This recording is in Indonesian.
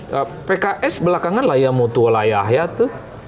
sebenarnya pks belakangan layamutu layahnya tuh